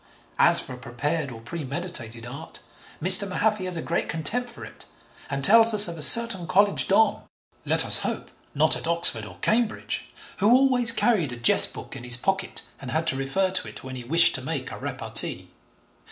As for prepared or premeditated art, Mr. Mahaffy has a great contempt for it and tells us of a certain college don (let us hope not at Oxford or Cambridge) who always carried a jest book in his pocket and had to refer to it when he wished to make a repartee.